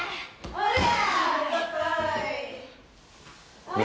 おりゃ！